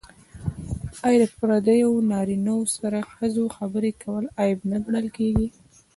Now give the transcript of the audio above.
آیا د پردیو نارینه وو سره د ښځو خبرې کول عیب نه ګڼل کیږي؟